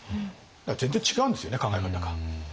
だから全然違うんですよね考え方が。